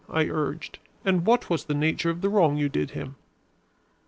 I urged, "and what was the nature of the wrong you did him?"